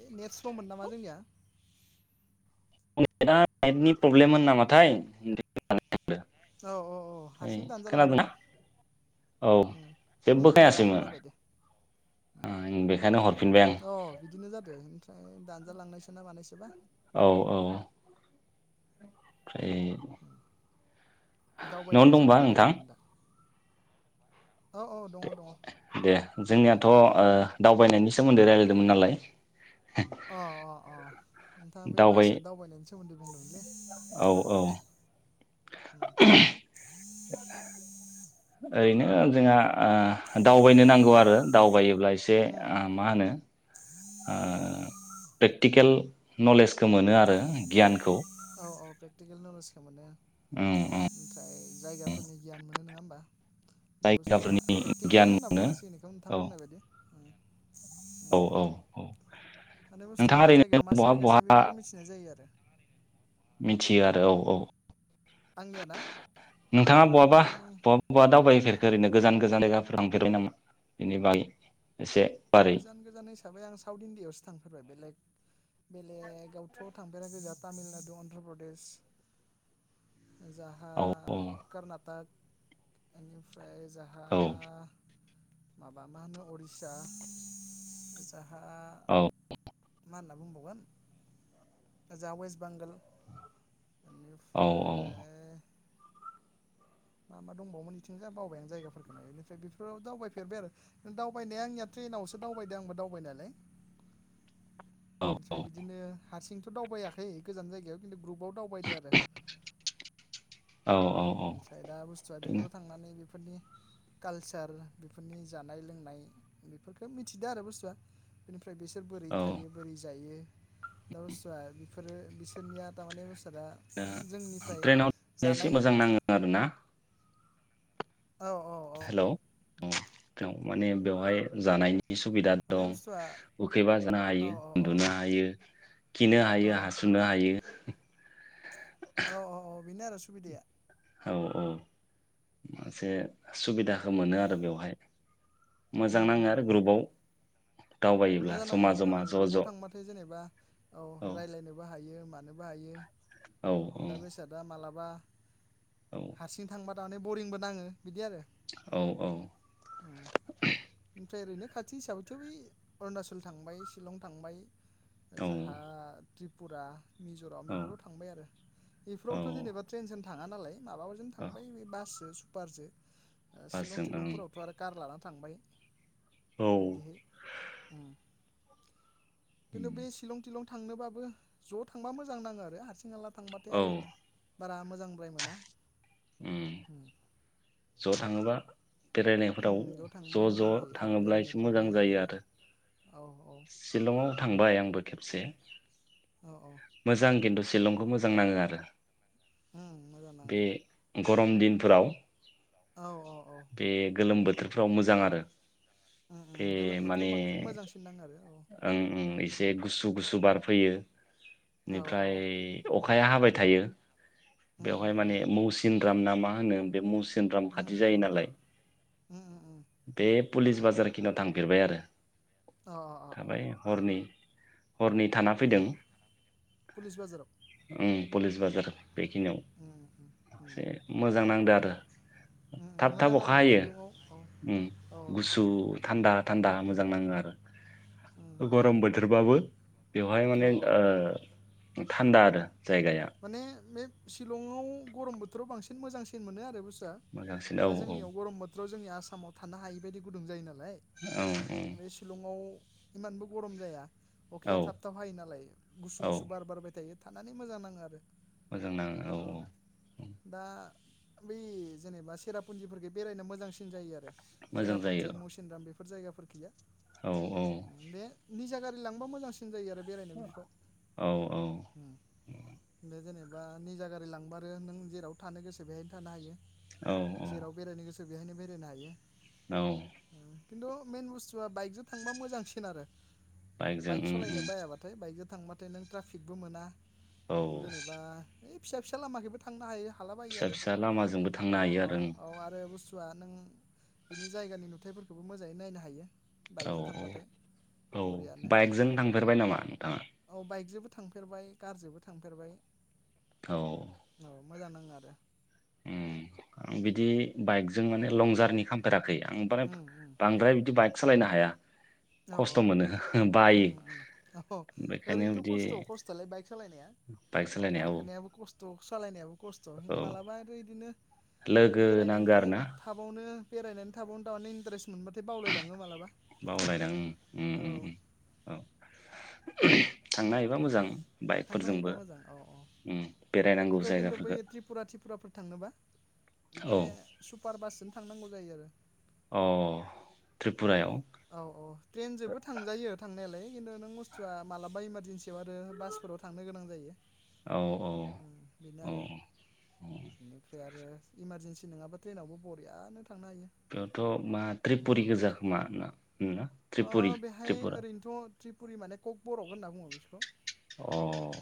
Net स्ल'मोन नामा जोंनिया [unintelligible] प्रब्लेम मोन नामाथाय औ औ औ ओमफ्राय हारसिं दानजालांदो खोनादोंना औ उम उम जेबो उम दा खोनायासैमोन खोनाबाय दे उम बेखायनो हरफिनबाय अ बिदिनो जादो ओमफ्राय दान [unintelligible] मानायसोबा औ औ [unintelligible] उम न'आवनो दावबायनायनि दंबा सोमोन्दै नोंथां रायज्लायदोंमोन दा। [unintelligible] दङ उम दे जोंनियाथ' ओ दावबायनायनि सोमोन्दै रायज्लायदोंमोन नालाय अ अ अ नोंथाङा बे दावबाय बासजो दावबायनायनि सोमोन्दै [unintelligible] औ औ उम ओरैनो ओ जोंहा दावबायनो नांगौ आरो दावबायोब्ला एसे उम ओ मा होनो ओ प्रेक्टिकेल नलेजखौ मोनो आरो गियानखौ औ औ प्रेकटिकेल न'लेजखौ मोनो औ औ ओ जायगाफोरनि गियान मोनो नङा होमबा दा बुस्थुआ जायगाफोरनि गियान प्रेकटिकेलानो होनना मोनो बुंनांसिगोन बेखौ नोंथां औ बुंनाय बायदि [inaudible] औ औ औ माने बुस्थुआ नोंथाङा मा जायगायाव मा ओरैनो बहा सोलिगासिनो बहा बेफोरखौ मिथिनाय जायो आरो मिथियो आरो औ औ आंनिया ना नोंथाङा बहाबा उम बहा बहा दावबायफेरखो ओरैनो गोजान गोजान जायगाफोर [unintelligible] बेनि बागै एसे बारै गोजान गोजान हिसाबै आं साउथ इण्डिआवसो थांफेरबाय बेलेक बेलेगावथ' थांफेराखै तामिलनाडु अन्ध्र प्रदेश जोहा औ औ कर्नाटक [unintelligible] जाहा औ माबा मा होनो उरिसा आतसा औ मा होनना बुंबावगोन ओजा वेस्ट बेंगल [unintelligible] औ निफ्राय मा मा दंबावोमोन इथिंजाय बावबाय आं जायगाफोरखौनो बेनिफ्राय बेफोराव दावबायफेरबाय आरो दावबायनाया आंनिया ट्रेनावसो दावबायदो आंबो दावबाय नायालाय। ओमफ्राय बिदिनो हारसिं थ दावबायाखै गोजान जायगायाव खिन्थु ग्रुप [unintelligible] दावबायदो आरो औ औ औ ओमफ्राय दा बुस्थुआ बिदिनो बेफोराव थांनानै बिफोरनि कालचार बेफोरनि जानाय लोंनाय बेफोरखौ मिथिदों आरो बुस्थुआ बिसोर बोरै औ थायो बोरै जायो। दा बुस्थुवा बिफोरो बिसोरनिया थारमाने दा जोंनिफ्राय जानाय खोनादोंना? औ औ औ हेलौ। औ माने बेवहाय जानायनि सुबिदा माने दं बुस्थुआ उखैबा जानो औ हायो औ औ उन्दुनो हायो। खिनो औ हायो हासुनो हायो। [inaudible] औ औ औ बिनो आरो सुबिदाया। औ औ मोनसे सुबिदाखौ मोनो आरो बेवहाय। उम मोजां उम नाङो उम आरो ग्रुबाव। मोजां नाङो मोजां नाङो ज' ग्रुपाव ज' थांबाथाय जेनेबा औ रायलायनोबो हायो। मानोबो हायो। औ औ दा बेसादा माला बा औ हारसिं थांबा नानै बरिंबो नाङो। बिदि आरो औ उम ओमफ्राय ओरैनो खाथि हिसाबैथ' बै अरुणाचल थांबाय शिलं थांबाय। औ जाहा त्रि फुरा मिज'राम बेफोराव थांबाय आरो औ बेफोरावथ' जेनेबा ट्रेन सेन थाङा नालाय माबाजों औ थांबाय बे बासजों पारजो सिलं बासजों तिलंफोरावथ' आरो कार लानानै थांबाय। ओं बिदिहै। खिन्थु बे शिलं तिलं थांनोबाबो ज' थांबा मोजां नाङो आरो हारसिंहाला थांबाथाय औ आरो बारा मोजांद्राय मोना। उम होम ज' थाङोबा बेरायनायफोराव थांबा ज' ज' मोजां जायो औ थाङोब्ला एसे बेरायनायफ्राव मोजां जायो आरो औ औ शिलंआव थांबाय आंबो खेब से औ औ मोजां खिन्थु शिलंखौ मोजां नाङो आरो मोजां नाङो बे गरम दिनफोराव औ औ औ बे गोलोम बोथ थोरफ्राव मोजां आरो उम बे उम गोलोम बोथोराव माने बांसिन मोजांसिन नाङो आरो ओं ओं एसे गुसु गुसु बार फैयो औ निफ्राय औ अखाया हाबाय थायो उम उम बेवहाय उम माने मौसिन राम ना मा होनो बे मौ सिनराम उम खाथि जायो उम नालाय उम उम बे पुलिस बाजारखिनियाव थांफेरबाय आरो अ अ अ अ थाबाय हरनै हरनै थाना फैदों उम पुलिस बाजाराव उम पुलिस बाजार बेखिनियाव उम उम उम एसे मोजां नांदो आरो उम उम थाब थाब मोजां अखा नाङो हायो शिलंआव औ उम औ गुसु थान्दा थान्दा उम मोजां नाङो आरो उम गरम बोथोरबा बाबो बेवहाय औ माने औ ओ थान्दा आरो जायगाया माने बे शिलंआव गरम बोथोराव बांसि न मोजांसिन मोनो आरो बुस मोजांसिन औ औ। बाव जोंनि आसामाव थानो हायि बायदि गुुदुं जायो नालाय। औ नाय बे शिलंआव इमानबो गरम जाया। औ अखाया थाब थाब हायो नालाय गुसु औ गुसु बार बारबाय थायो। थानानै मोजां नाङो आरो। मोजां नाङो औ औ। दा बै जेनेबा सेरापुन्जिफोरजों बेरायनो मोजांसिन जायो आरो। मोजां जायो सेराफुनजि मुसिनराम बे बेफोर जायगाफोरखियो औ औ गारि लांबा मोजांसिन जायो आरो। बेरायनो बेफोराव औ औ औ। बे जेनेबा निजा गारि लांबारो नों जेराव थानो गोसो बेहायनो थानो हायो। औ औ जेराव बेरायनो गोसो बेहायनो बेरायनो हायो। औ खिन्थु मेन बुस्थुआ बाइकजों थांबा मोजांसिन आरो। बाइकजों बाइक उम सलायनो उम बायाबाथाय बाइकजों थांबाथाय नों ट्राफिकबो मोना औ नों जेनेबा ओइ फिसा फिसा लामाखैबो थांनो हायो। थालाबायो फिसा आरो फिसा लामाजोंबो थांनो औ हायो औ आरो औ आरो बुसु बसथुवा नों बिनि जायगानि नुथायफोरखौबो मोजाङै नायनो हायो। औ बाइकजों औ थांबाथाय औ बरियानो बाइकजों थांफेरबाय नामा नोंथाङा? औ बाइकजोंबो थांफेरबाय कारजोंबो। थांफेरबाय। औ औ मोजां नाङो आरो ओं बिदि बाइकजों माने लं जारनि खालामफेराखै। [unintelligible] आं एफाग्राब उम उम बांद्राय बिदि बाइक सालायनो हाया। [inaudible] औ खस्थ' औ मोनो उम बायो उम औ बेखायनो ओरैनोथ' बिदि खस्थ खस्थलाय बाइक सालायनाया बाइक सालायनायाव गाखोनायाबो खस थ' सालायनायाव औ खस्थ मालाबा आरो बिदिनो बे लोगो नांगो बेरायनायनि दे आरो ना थाबावनो बेरायनानै थाबावनोथ इन्टारेस मोनबाथाय बावलायलाङो मालाबा। बावलायलां उम उम औ। उम औ थांनो हायोबा मोजां। थांनो बाइकफोरजोंबो हायोबा मोजां अ अ उम बेरायनांगौ ओमफ्राय खिन्थु जायगाफोरखौ बै त्रिपुरा त्रिपुरा फोर थांनोबा बे औ सुपार बासजों थांनांगौ जायो आरो। अ त्रिपुरायाव औ औ ट्रेनजोबो थांजायो थांनायालाय। खिन्थु नों बुस्थुआ मालाबा इमारजेनसियाव आरो बास फोराव थांनो गोनां जायो। औ ओम बेनो औ आरो बेनिफ्राय आरो इमारजेनसि नङाबा ट्रेनावबो बरियानो थांनो हायो बेयावथ' मा उम त्रिपुरि गोजा खोमा ना? ना अ त्रिपुरि बेहाय त्रिपुरा। ओरैनोथ' त्रिपुरि माने ककबरक होनना बुङो बिसोरखौ। अ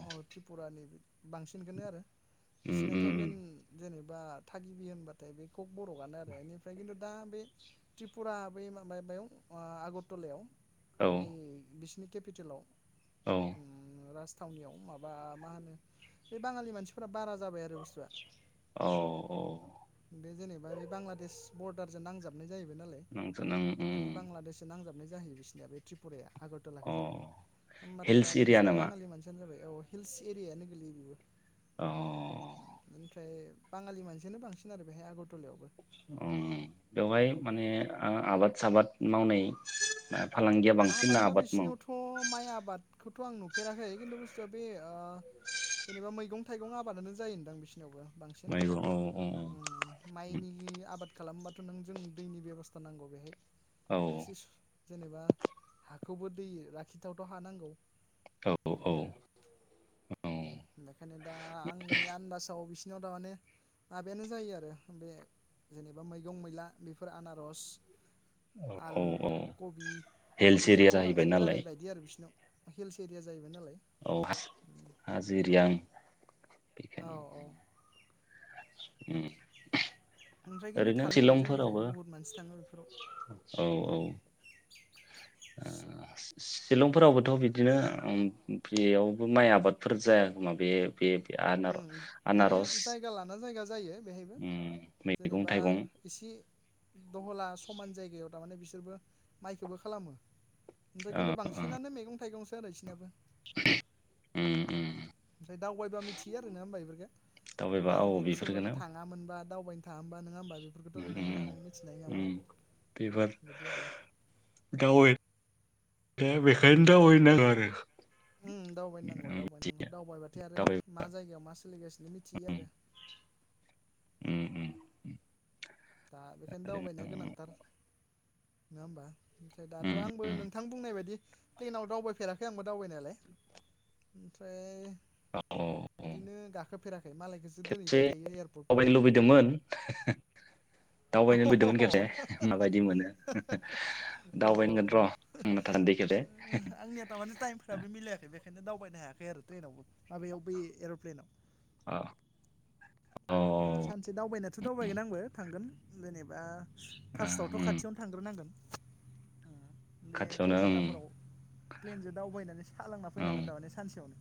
औ त्रिपुरानि बि बांसिनखौनो आरो। उम उम बिसिनाथ' उम मेन जेनेबा बा थागिबि होनबा बे ककबर'कानो आरो एनिफ्रय किन्थु दा बे त्रिपुरा बै मा बेयाव आगर टलायाव औ। नि केपिटेलाव। औ। थावनियाव माबा मा होनो बे बाङालि मानसिफोरा बारा जाबाय आरो। बुस्थुआ औ औ। बे जेनेबा बे बांलादेश बरदारजों नांजाबनाय जाहैबाय नालाय [unintelligible] नों माने ओं। बांलादेशजों नांजाबनाय जाहैयो बिसोरनिया बे त्रिपुराया। अ आगरटला'खैजा होमबाथाय हिल्स दानो एरिया बिसिना नामा बाङालि मानसियानो जाबाय। औ हिल्स एरियानो गोलैयो बेबो। अ। ओमफ्राय बाङालि मानसियानो बांसिन आरो बेहाय आगरटलायावबो। अ बेवहाय माने आ आबाद आबाद मावनाय फालांगिया बांसिन ना आबादा आबाद मावो बिसिनियावथ' माइ आबाद खौथ' आं नुफेराखै खिन्थु बुस्थुआ बे जेनेबा मैगं थाइगं आबादानो जाय होनदां बिसोर यावबो बांसिन मैगं औ माइनि उम आबाद खालामबा नों जों दैनि बेब'स्था नांगौ बेहाय औ एसे। जेनेबा। हाखौबो दै लाखिथावथाव' हा नांगौ औ औ बिदि आरो बेखायनो दा आंनि आन्दाजाव बिसि बिसिनाव थारमाने माबायानो जायो आरो बे जेनेबा मैगं मैला बेफोर आनारस औ औ आलु औ। कबि हिल्स एरिया बेफोरनो जाहैबाय बांसिन नालाय जानाय बायदि आरो बिसिना। हिल्स एरिया जाहैबाय नालाय। औ उम हाजिरियां औ औ बिखायनो उम। ओमफ्राय खिन्थु ओरैनो थाङो शिलंफोरावबो जोंनिफ्रायबो बुहुत मानसि थाङो बेफोराव औ औ ओ। ओं शिलंफोरावबोथ' बिदिनो उम बेयावबो माइ आबादफोर जायाखोमा बे बे आनार उम माने आनारस जायगा लाना जायगा जायो। बेहायबो उम मैगं जेनेबा थाइगं एसे दहला समान जायगायाव थारमाने बिसोरबो माइखौबो खालामो। ओमफाय खिन्थु बांसिनानो मैगं थाइगं जानायसैनाबो उम उम। फ्राय दावबायबा मिथियो आरो ना होमबा बेफोरखो दावबायबा दा औ जुदि सोरबा बेफोरखौनो थाङामोनबा दावबायनो थाङा मोनबा नोङा होमबा। बेफोरखौथ' उम नुनाय उम नङामोन मिथिनाय उम नङामोन बेबार बिदि आरो दावबाय दा बेखायनो दावबाय नां आरो। उम दावबायनांगौ दावबायनांगौ बिदिया दावबायबाथाय आरो दावबाय मा जायगायाव मा सोलिगासिनो मिथियो आरो। उम उम उम। दा बेखायनो ओरैनो दावबायनाया गोनांथार। नोङा होमबा? ओमफ्राय दाथ' आंबो उम नोंथां बुंनाय बायदि ट्रेननाव दावबायफेराखै आंबो दावबायनायालाय ओमफ्राय औ औ औ बिदिनो गाखोफेराखै मालायखोसो खेबसे दोनहैबाय थायो एयारपर्टफोराव। दावबायनो लुबैदोंमोन अ दावबायनो लुबैदोंमोन खेबसे माबायदि मोनो औ औ दावबायनांगोन औ र' [unintelligible] दे खेबसे। आंनिया थारमाने टाइमफ्राबो मिलायाखै बेखायनो दावबायनो हायाखै आरो ट्रेनावबो माबायाव बे एर'प्लेनाव। अ'। औ सानसे दावबायनाथ' दावबायगोन आंबो थांगोन जेनेबा फार्स्टआवथ' उम खाथियावनो थांग्रोनांगोन। बे खाथियावनो ओं कलकाताफोराव प्लेनजों दावबायनानै सा लोंना ओं फैनांगोन थारमाने सानसेयावनो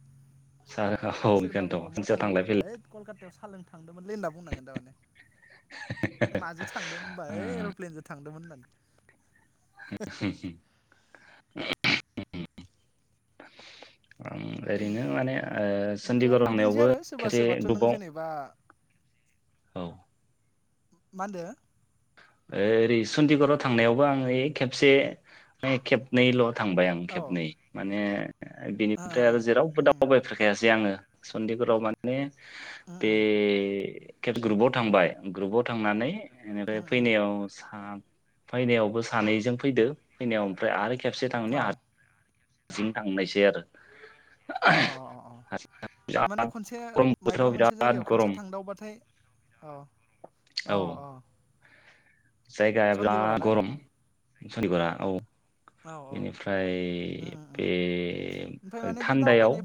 सार औ सोरबा बुंबा बेखौनोथ' म'याव सानसेयाव थांदोंमोन थांलाय होनबा हेथ कलकातायाव सा हा लों दो‌ मोनलै होनना बुंनांगोन थारमाने माजों थांदों होनबा है एर'प्लेनजों थांदोंमोन होननानै। [inaudible] [unintelligible] ओरैनो माने ओ ओमफ्राय चन्डिगर आरो बिदिनोसै लामायावबो आरो सोरबा खेबसे सोरबाथ' नों दुबाव जेनेबा औ मा होनदो? ओरै चन्डिगराव थांनायावबो आङो ओइ खेबसे खेबनैल' थांबाय आं औ खेबनै माने ओ बिनिफ्राय आरो जेरावबो उम उम दावबायफेरखायासै आङो। चन्डिगराव माने उम बे खेब ग्रुपाव थांबाय ग्रुपाव थांनानै इनिफ्राइ उम उम फैनायाव सा फैनायावबो सानैजों फैदो फैनायाव ओमफ्राय आरो खेबसे औ थांनाया आ सिं थांनायसै आरो। अ' अ' अ' अ' बिराद माने खनसे गरम मायबा बोथोराव मोनसे बिराद जायगायाव खनसे गरम थांदावबाथाय औ औ अ'। जायगाया बिराद गरम। चन्डिगरा औ। औ औ बेनिफ्राय उम उम उम बे थान्दायाव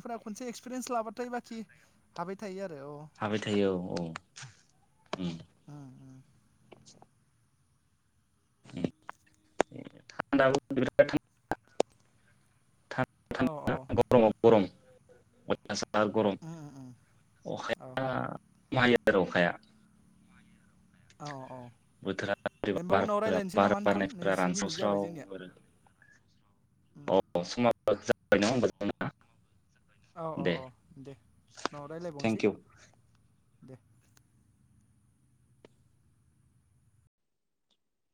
पिरियेन्स लाबाथाय बाखि हाबाय थायो आर हाबाय थायो औ औ उम। [inaudible] थान्दा [unintelligible] औ औ [unintelligible] गरमाव गरम [unintelligible] [unintelligible] गरम उम उम औ अखाया [unintelligible] अखाया औ औ बोथोरा दे बोरैबा होमबा उनाव बारफोरा रायज्लायनोसै बार नामा नोंथां बारनायफोरा नैजि मिनिट जाबाय रानस्रावस्राव जोंनिया आरो उम, औ समा जाबाय नङा होमबा जोंना? औ औ दे औ दे न' रायलायबावनोसै। Thank you Day